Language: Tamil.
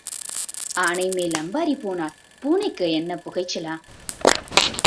ஆனைமேல் அம்பாரி போனால் பூனைக்கு என்ன புகைச்சலா?